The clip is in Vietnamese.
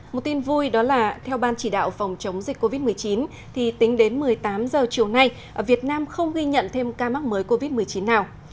một tin vui đó là theo ban chỉ đạo phòng chống dịch covid một mươi chín thì tính đến một mươi tám h chiều nay việt nam không ghi nhận thêm ca mắc mới covid một mươi chín nào